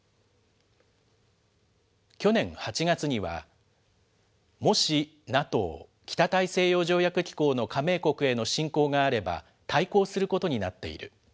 去年８月には、もしＮＡＴＯ・北大西洋条約機構の加盟国への侵攻があれば対抗することになっている。